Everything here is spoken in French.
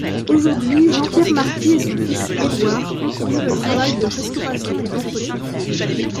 Aujourd'hui Jean-Pierre Marquis et son fils Édouard continuent le travail de restauration et d'entretien.